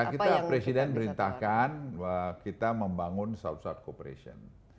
ya kita presiden perintahkan kita membangun south south cooperation